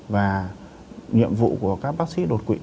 và nhiệm vụ của các bác sĩ đột quỵ